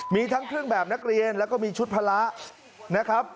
มีทั้งเครื่องแบบนักเรียนแล้วก็มีชุดพระนะครับ